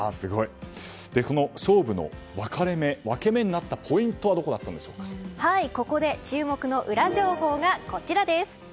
勝負の分け目になったポイントは注目のウラ情報がこちらです。